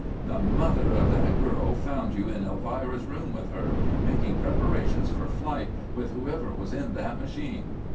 "_The mother of that girl found you in Elvira's room with her, making preparations for flight with whoever was in that machine!